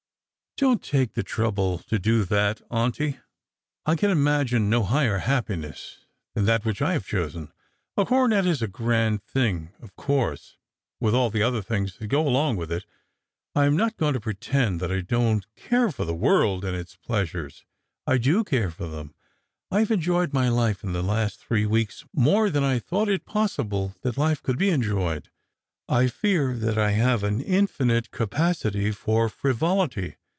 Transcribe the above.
" Don't take the trouble to do that, auntie. I can imagine no higher happiness than that which I have chosen. A coronet is a grand thing, of course, with all the other things that go along with it. I am not going to pretend that I don't care for the world and its pleasures. I do care for them. I have enjoyed my life in the last three weeks more than I thought it possible that life could be enjoyed. I fear that I have an infinite capa city for frivolity.